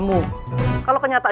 udah ngeri ngeri aja